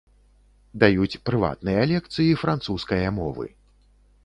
Даюць прыватныя лекцыі французскае мовы.